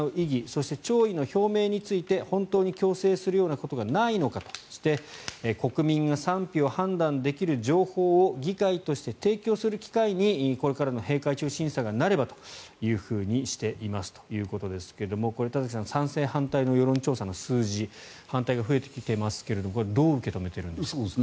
そして、弔意の表明について本当に強制するようなことがないのかとして国民が賛否を判断できる情報を議会として提供する機会にこれからの閉会中審査がなればというふうにしていますということですが田崎さん賛成、反対の世論調査の数字反対が増えてきていますがこれはどう受け止めているんですか。